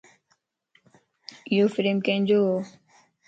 ايو فريم ڪينجووَ